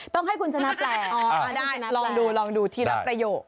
ต้องให้คุณจะนับแหละอ๋อได้ลองดูทีละประโยค